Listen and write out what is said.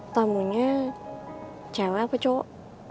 tamunya cewek apa cowok